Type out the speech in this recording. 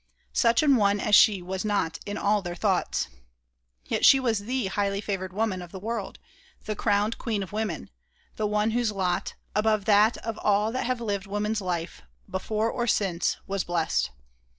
Such an one as she was not in all their thoughts. Yet she was the highly favored woman of the world; the crowned queen of women; the One whose lot above that of all that have lived woman's life, before or since was blessed.